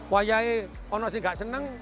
wayai orang asli gak seneng